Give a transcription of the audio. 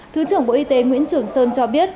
thứ trưởng bộ y tế nguyễn trường sơn cho biết